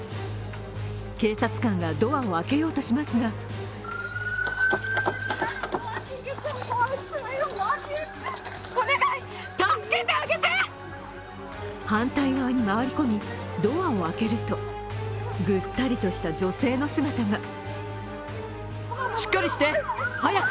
警察官がドアを開けようとしますが反対側に回り込み、ドアを開けると、ぐったりとした女性の姿が。